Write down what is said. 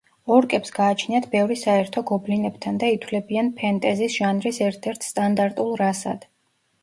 ორკებს გააჩნიათ ბევრი საერთო გობლინებთან და ითვლებიან ფენტეზის ჟანრის ერთ-ერთ სტანდარტულ რასად.